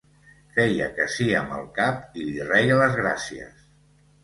Feia que sí amb el cap i li reia les gràcies.